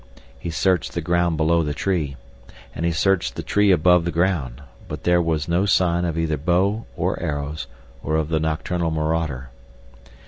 He searched the ground below the tree, and he searched the tree above the ground; but there was no sign of either bow or arrows or of the nocturnal marauder.